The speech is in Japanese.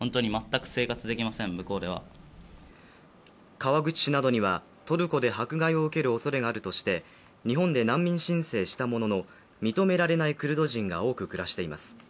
川口市などにはトルコで迫害を受けるおそれがあるとして日本で難民申請したものの認められないクルド人が多く暮らしています。